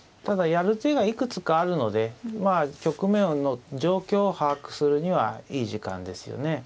ただやる手はいくつかあるのでまあ局面の状況を把握するにはいい時間ですよね。